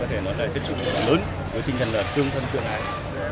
để nó là cái sức mạnh lớn với tinh thần là tương thân tương ái